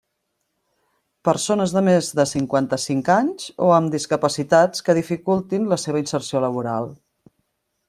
Persones de més de cinquanta-cinc anys o amb discapacitats que dificultin la seva inserció laboral.